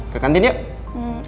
ke kantin yuk